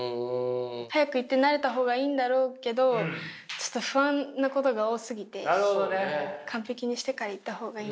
早く行って慣れた方がいいんだろうけどちょっと不安なことが多すぎて完璧にしてから行った方がいいのか。